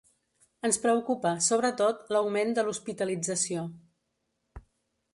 Ens preocupa, sobretot, l’augment de l’hospitalització.